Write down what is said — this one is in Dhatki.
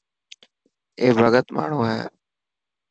اي ڀڳت ماڻهو هي.